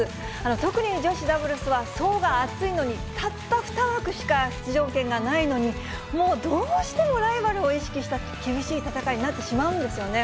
特に女子ダブルスは層が厚いのに、たった２枠しか出場権がないのに、もう、どうしてもライバルを意識した、厳しい戦いになってしまうんですよね。